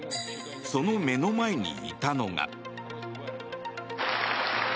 その目の前にいたのが。